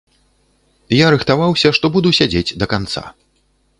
Я рыхтаваўся, што буду сядзець да канца.